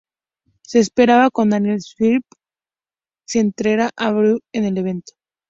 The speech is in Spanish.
Se esperaba que Daniel Spitz se enfrentara a Jeff Hughes en el evento.